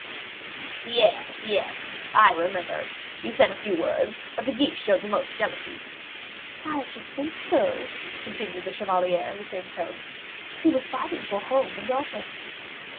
"Yes, yes; I remember. You said a few words, but De Guiche showed the most jealousy." "I should think so," continued the chevalier, in the same tone. "He was fighting for home and altar."